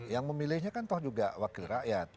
yang memilihnya kan toh juga wakil rakyat